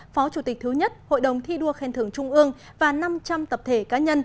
phó chủ tịch thứ nhất hội đồng thi đua khen thưởng trung ương và năm trăm linh tập thể cá nhân